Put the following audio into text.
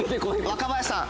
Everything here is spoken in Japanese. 若林さん。